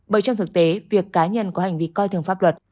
bởi trong thực tế việc cá nhân có hành vi coi thường pháp luật